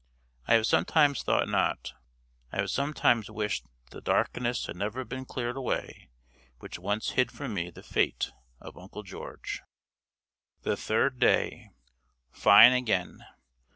I have sometimes thought not. I have sometimes wished that the darkness had never been cleared away which once hid from me the fate of Uncle George. THE THIRD DAY. FINE again.